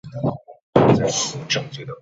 保定伯。